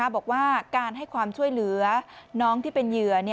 บอกว่าการให้ความช่วยเหลือน้องที่เป็นเหยื่อ